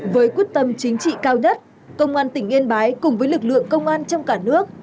với quyết tâm chính trị cao nhất công an tỉnh yên bái cùng với lực lượng công an trong cả nước